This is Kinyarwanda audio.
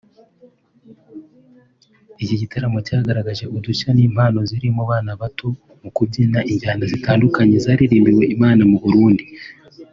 Iki gitaramo cyagaragaje udushya n’impano ziri mu bana bato mu kubyina injyana zitandukanye zaririmbwiwe Imana mu Burundi